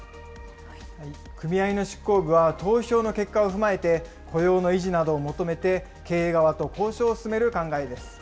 組合の執行部は、投票の結果を踏まえて、雇用の維持などを求めて経営側と交渉を進める考えです。